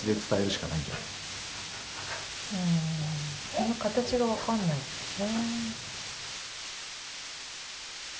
その形が分かんないんだよね。